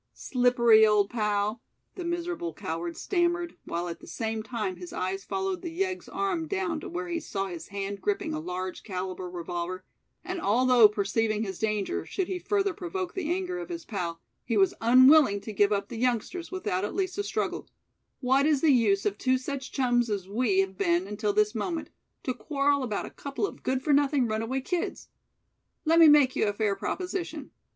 "Slippery, old pal," the miserable coward stammered, while at the same time his eyes followed the yegg's arm down to where he saw his hand gripping a large caliber revolver, and although perceiving his danger should he further provoke the anger of his pal, he was unwilling to give up the youngsters without at least a struggle, "what is the use of two such chums as we have been until this moment, to quarrel about a couple of good for nothing runaway kids? Let me make you a fair proposition.